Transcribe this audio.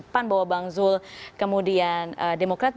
pan bahwa bang zul kemudian demokrat